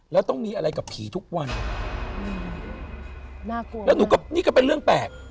แล้วต้องมีอะไรกับผีทุกวันขอบคุณครับหน้ากลัวมากแล้วเป็นเรื่องแปลก